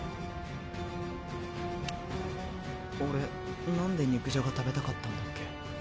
オレなんで肉じゃが食べたかったんだっけ？